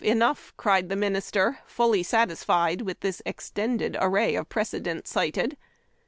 enough I" cried the minister, fully satisfied with the extended array of precedents cited.